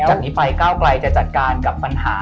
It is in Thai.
จากนี้ไปก้าวไกลจะจัดการกับปัญหา